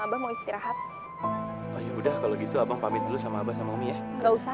abah mau istirahat udah kalau gitu abang pamit dulu sama abah sama mia nggak usah